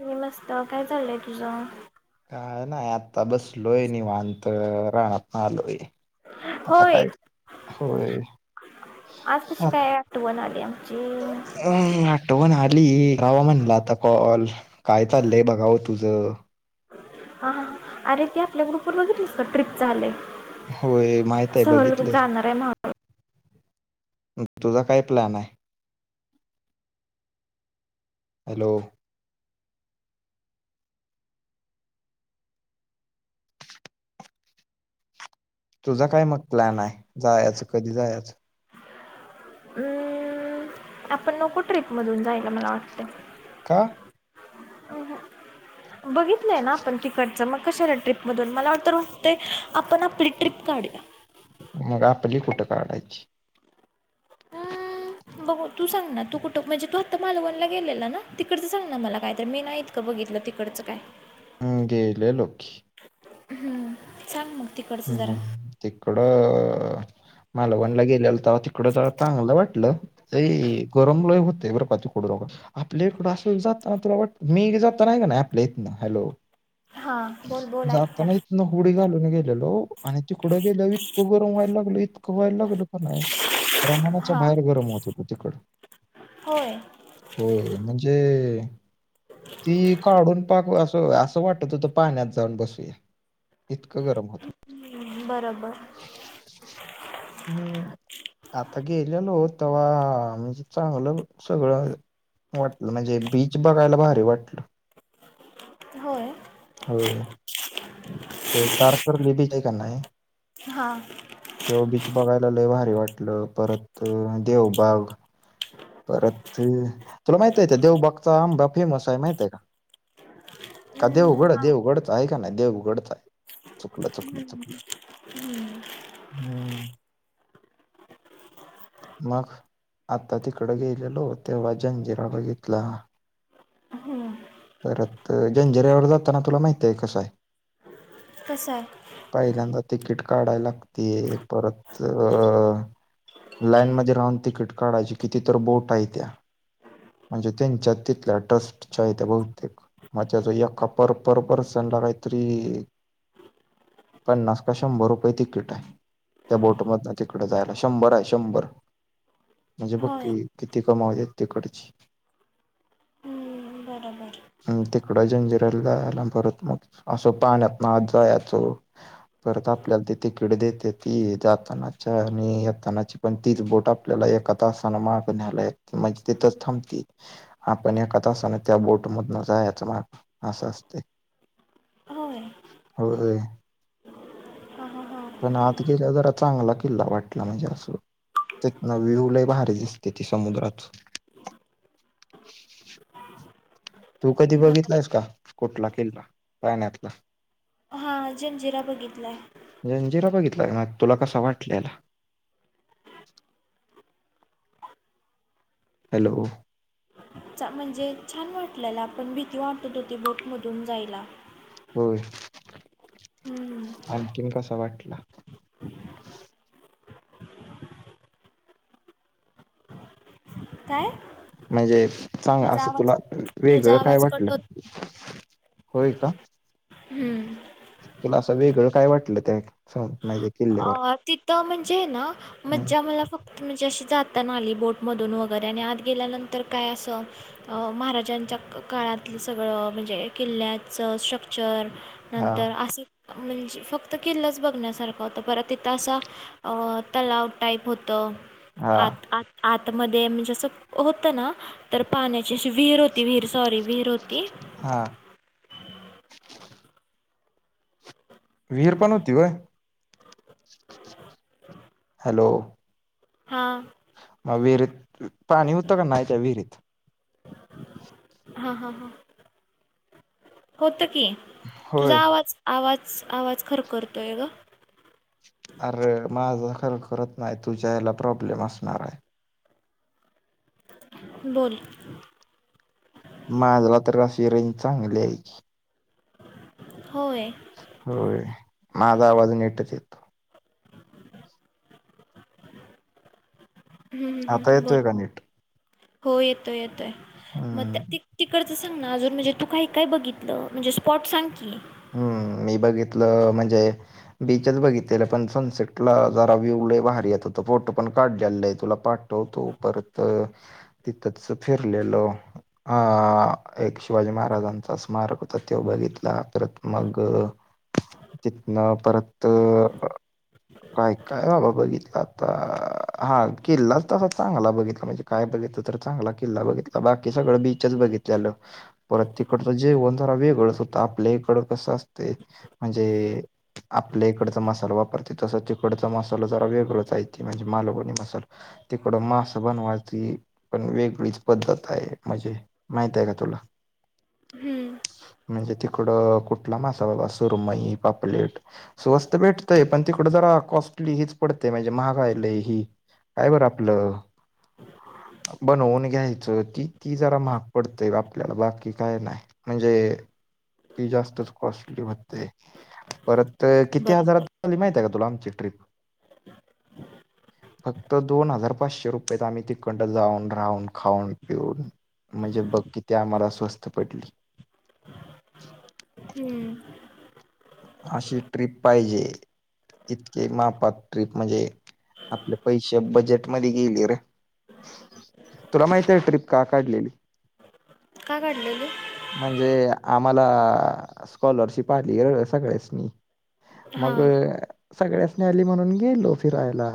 मी मस्त! काय चाललंय तुझं? हा ना आत्ता बस लोय निवांत. राणातनं आलोय हो आता ए., काय होय आज कशी काय आटवण आली आमची? क्लि ये रावा म्हनला आता कॉल. काय चाल्लय बघा ओत. ज - हा अरे ती आपल्या ग्रुप [unintelligible] ट्रिपच होय माहिते बघितलं. [unintelligible] तुजा काही प्लॅन आहे? हॅलो! तुझा काय मग प्लॅन आहे, जायाचं कधी जायाचं? हम्म! आपण नको ट्रिप मधून जायला मला वाटतं. का? अ बगीतलंय ना आपण तिकडचं मग कशाला ट्रीप मधून? मला वाटतं ते आपण आपली ट्रिप काडूया. मग आपली कुठं काढायची - ह बगू. तू सांग ना तू कुटं मंजे तू आत्ता मालवणला गेलेला ना! तिकडच सांग ना मला काय तर मी नाहीत का बघितलं तिकडचं काय. ह गेलेलो की. झाक - हम् हम. तिकडं - अ मालवणला गेलेल तवा तिकडं जा चांगलं वाटलं. ते गरम लय होतेय बरपा तिकडकड आपल्या इकडं आसं जाताना तुला वाट मी जाता नाही का नाही आपल्या इथन. हॅलो हां बोल - बोल ऐकत्या जाताना इतनं होडी घाल. [unintelligible] [unintelligible] आणि तिकड गेल्यावर इतकं गरम व्हायला लागल इतकं व्हायला लागल ना प्रमाणाच्या हां बाहेर गरम होत तिकड होय. होय म्हणजे ती काढून पाक असं वाटत होत पाण्यात जाऊन बसूया इतकं गरम होत, बरोबर हम् आता गेलेलो तवा म्हणजे चांगलं वाटलं म्हणजे बीच बघायला भारी वाटलं. होय हो ते तारकर्ली बीच आहे का नाही. हां तेव्हा बीच बघायला लै भारी वाटलं परत देवबाग परत तुला माहित आहे त्या देवबागचा आंबा फेमस आहे माहितय का? का हम्म देवगड चा हां. देवगड देवगडचाय हम्म हम्म [unintelligible] हम् मग आता तिकडं गेलेलो तेव्हा जंजिरा बघितला हम्म. परत जंजिरावर जाताना तुला माहितेय कसं हाय. तसं आहे. पहिल्यांदा तिकीट काढाय लागत ते परत लाईन मध्ये राहून तिकीट काढायची किती तर बोट आहे त्या म्हणजे त्यांच्या तिथल्या ट्रस्टच्या त्या्या बहुतेक मग त्याचा एका पर पर पर्सनला काहीतरी पन्नास का शंभर रुपये तिकीट त्या बोट मधन तिकड जायला शंभर आहे शंभर म्हणजे होय. बक्की किती कमावते तिकडची् हम्म बरोबर. तिकड जंजिराला जायला परत मग असं पाण्यात ना आ जाचो परत आपल्याला ते तिकडे देते ती जातानाच्या आणि येतानाची पण तीच बोट आपल्याला एका तासाने माग न्यायला येत म्हणजे तिथच थांबते आपण एका तसान त्या बोट मधन जायच मग अस असते. होय. होय. हां, हां, हां. पण आत गेल्या जरा चांगला किल्ला वाटला म्हणजे असं तिथंन व्यू लई भारी दिसतती समुद्राच तू कधी बरं बघितल्यास का? कुटला किल्ला पाण्यातला? हा जंजिरा बघितलाय जंजिरा बघितलाय तुला कसा वाटलेला हॅलो म्हणजे छान वाटल्याला पण भीती वाटत होती बोट मधून जायला हम्म. आणखीन कसा वाटला काय माजे सांग तुझा असं आवाज तुला तुझा वेगळं काय आवाज कट वाटलं होत होय का हम्म अस वेगळ काय वाटलं त्या म्हणजे किल्ल्यावर अ तिथं म्हणजे ना हम्म मज्जा मला फक्त म्हणजे अशी जात आली बोटमधून वगैरे आणि आत गेल्यानंतर काय असं महाराजांच्या काळातलं सगळं म्हणजे किल्ल्याचं स्ट्रक्चर हा नंतर अस म्हणजे फक्त किल्लाच बघण्यासारखा होता परत तिथं असा तलाव टाईप होत हा आत आत आत मध्ये म्हणजे असं होतं ना तर पाण्याची अशी विहीर होती विहीर सॉरी विहीर होती. हा. वी हीर पण होती वय? ह. हॅलो. हा. मग विहिरीत पाणी होतं का नाही त्या विहिरीत? हा हा हा हो ते. होय तुझा आवाज आवाज आवाज खरं खरखरतोय. अरे माझं खर करत नाही तुझ्या याला प्रॉब्लेम असणार आहे. बोल. माझला तर असशी रेन चांगली आहे की. होय होय. माझा आवाज नेटच येतो. हम्म, हम्म, आता हम्म, येतो बोल ए का नट? हो येतोय येतोय. मग तिकड सां ना अजून म्हणजे तू काही काय बघितलं म्हणजे स्पॉट सांग की? हम्म मी बघितलं म्हणजे बीचच बघितलेलं पण सनसेटला जरा व्यू भारी येत हो फोटो पण काढलेल आहे तुला पाठवतो परत तिथच फिरलेल अ एक शिवाजी महाराजांचा स्मारक होता तेो बघितला परत मग तिथनं परत काय काय बाबा बघितलं आता हा किल्ला तर असा चांगला बघितला म्हणजे काय बघितलं तर चांगला किल्ला बघितला बाकी सगळं बीचस बघितले आलं परत तिकडच जेवण जरा वेगळंच होत आपल्या इकड कस असते म्हणजे आपल्या इकडचा मसाला वापरते तस तिकडचा मसाला जरा वेगळच आहे म्हणजे मालवणी मसाला तिकड मास बनवायची पण वेगळीच पद्धत आहे म्हणजे माहित आहे का तुला? हम्म. म्हणजे तिकड कुठ. मासा बाबा सुरमई पापलेट स्वस्त भेटतय पण तिकड जरा कॉस्टली हीच पडते म्हणजे महागायल हि काय बर आपलं बनवून घ्यायच ती ती जरा महाग पडतय आपल्याला बाकी काय नाही म्हणजे ती जास्तच कॉस्टली होतेय परत तर किती बरं हजारात बरं झाली माहिती आहे का तुला आमची? फक्त दोन हजार पाचशे रुपय आम्ही तिकंड जाऊन राहून खाऊन पिऊन म्हणजे बघ कि ते आम्हाला स्वस्त पडली. हम्म. अशी ट्रीप पाहिजे इतके माफात ट्रीप म्हणजे आपले पैसे बजेट मध्ये गेली रे तुला माहती आहे ट्रीिप का काढलेली? का काढलेली? म्हणजे आम्हाला स्कॉलरशिप आली. सगळ्यासनी मग हां सगळ्यासनी आली म्हणून गेलो फिरायला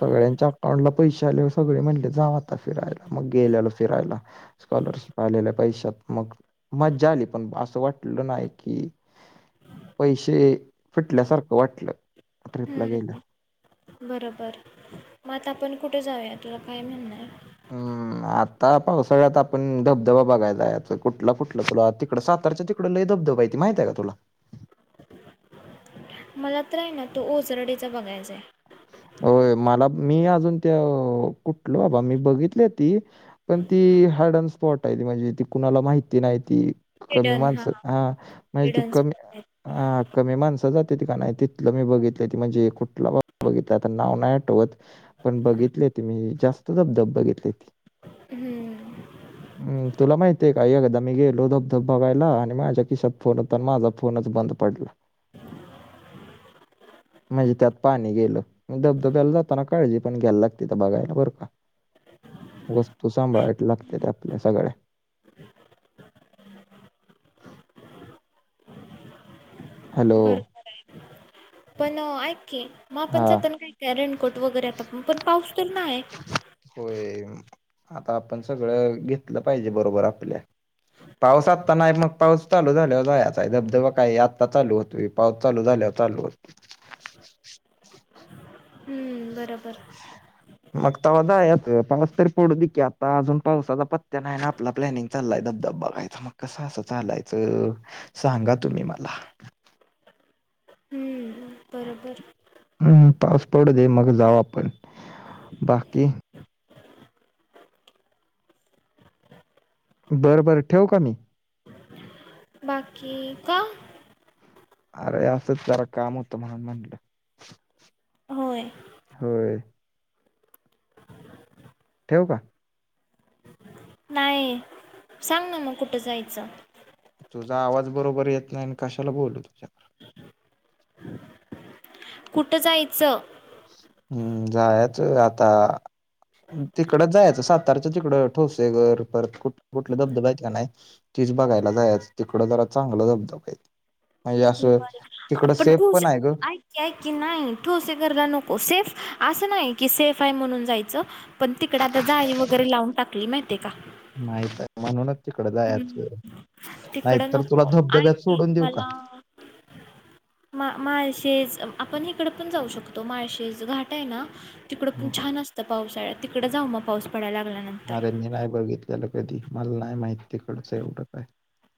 सगळ्यांच्या अकाउंटला पैसे आले सगळे म्हणले जा आता फिरायला मग गेलेलो फिरायला स्कॉलरशिप आलेल्या पैशत मग मज्जा आली पण असं वाटल नाही कि पैसेे फिटल्यासारखं वाटलं ट्रिपला ग्यायला. हम्म बरोबर म आत आपण कुठे जाऊया तुला काय म्हणणार? हम् आता सगळ्यात आपण धबधबा बघायला कुठला कुठलं तुला तिकड सातारच्या तिकड ल धबधबाती माहित आहे का तुला? मला तर आहे ना तो ओझरडेचा बघायचाय. होय मला मी अजून त्या कुठलो बाबा मी बघितले ती पण ती हारडन स्पॉट आहे त म्हणजे ती कुणाला माहिती नाही ती कमी माणसं हा म्हणजे ती हिडन कमी स्पॉट आहेत हा कमी माणसं जात का नाही तथलं मी बघितलं ती म्हणजे कुठला बा बघित. त्यात नाव नाही आटवत पण बघितली त मी जास्त धबधब बघितली त हम्म हम् तुला माहितीय का एकादा मी गेलो धबधब बघायला आणि माझ्या खिशात फोन होता माझा फोनच बंद पडला म्हणजे त्यात पाणी गेल. धबधब्याला जाताना काळजी पण घ्यायला लागते तर बघायला बरं का वस्तू सांभाळायला लागते ते आपल्या सगळ्या. हॅलो बरोबर आहे पण ऐकी मग आपण हां, आता काय काय रेनकोट वगैरे आता पण पाऊस तर नाही होय आता आपण सगळं घेतलं पाहिजे बरोबर आपल्या पाऊस आता नाही मग पाऊस चालू झाल्यावर जायचा आहे धबधबा काय आत्ता चालू होतो पाऊस चालू झाल्यावर चालू होत हम्म बरोबर मग त जा यात पाऊस तरी पडू दे की आता अजून पावसाचा पत्त्या नाही ना आपला प्लॅनिंग चाललाय धबधब बघायचा मग कसं असं चालायचं सांगा तुम्ही मला हम्म, बरोबर हम् पास पड दे मग जाऊ आपण बाकी बरं बरं ठेव का मी बाकी का अरे असं जरा काम होतं म्हणून म्हटलं होय. होय ठेव का नाही सांग ना मग कुठं जायचं तुझा आवाज बरोबर येत नाही आणि कशाला बोलू तुझ्यावर कुठं जायचं हम्म जायच आता तिकडच जायचं सातारच तिकड ठोसे घर परत कुठ कुठले धबधबा आहेत का नाही तीच बघायला जायच तिकडं जरा चांगलं धबधबा म्हणजे असं बरं. तिकडं पण सेफ ठोस आहे ग ऐक ऐ की नाही ठोसे घर नको हो सेफ असं नाही की सेफ आहे म्हणून जायचं पण तिकड आता जाळी वगैरे लावून टाकली माहितीे का माहित आहे म्हणूनच तिकड जायाच तिकड नको ऐक देऊ का मला माळशे आपण हिकड पण जाऊ शकतो माळशेस घाट आहे ना तिकडं पण हम्म, छान असतं पावसाळ्यात तिकडे जाऊ मग पाऊस पडायला लागल्यानंतर. अरे मी नाही बघित. त्याला कधी मला नाही माहिित तिकडच एवढं काय.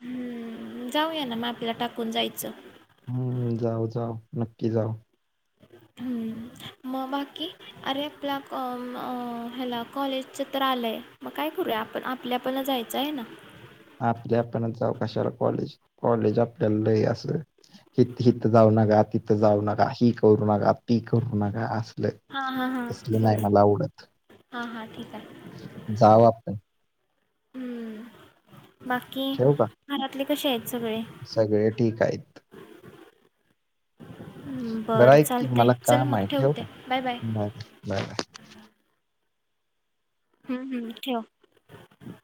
हम्म जाऊया ना मापीला टाकून जायचं. हम्म जाऊ जाऊ नक्की जाऊ. हम्म मग बाकी अरे आपल्या ह्याला कॉलेजच तर आलंय मग काय करूया आपण आपल्या आपला जायचं आहे ना. आपल्या आपण जाऊ कशाला कॉलेज कॉलेज आपल्याला ल अस हिथं जाऊ नका तिथं जाऊ नका ही करू नका ती करू नका अस. हां, हां, हां. तसले नाही बरोबर. मला आवडत हां, हां. ठीक आहे. जाव आपण. हम्म. बाकी ठेवू का घरातली कशी आहेत. सगळे? सगळे ठीक आहेत. हं, बरं आहे की चालतंय. मला चल काम आहे मग ठेव ठेवते. का बाय बा बाय बाय. [inaudible] हम्म हम्म ठेव.